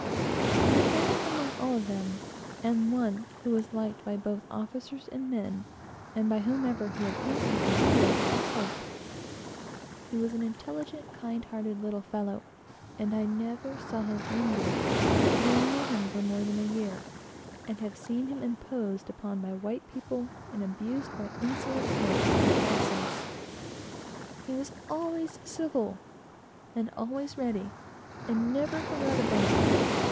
My favorite among all of them, and one who was liked by both officers and men, and by whomever he had anything to do with, was Hope. He was an intelligent, kind hearted little fellow, and I never saw him angry, though I knew him for more than a year, and have seen him imposed upon by white people, and abused by insolent officers of vessels. He was always civil, and always ready, and never forgot a benefit.